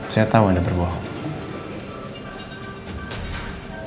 saya tau anda berbohong